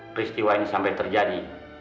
peristiwa ini sampai terjadi